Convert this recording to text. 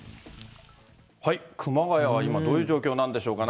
熊谷は今、どういう状況なんでしょうか。